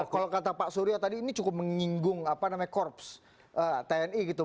kalau kata pak surya tadi ini cukup menyinggung apa namanya korps tni gitu